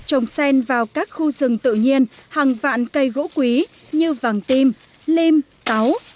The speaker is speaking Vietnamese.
trồng sen vào các khu rừng tự nhiên hàng vạn cây gỗ quý như vàng tim lim táu